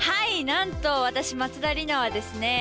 なんと私松田莉奈はですね